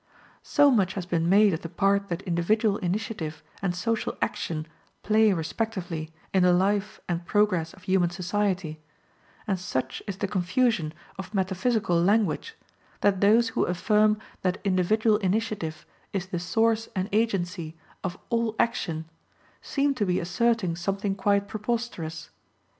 So much has been made of the part that individual initiative and social action play respectively in the life and progress of human society; and such is the confusion of metaphysical language, that those who affirm that individual initiative is the source and agency of all action seem to be asserting something quite preposterous.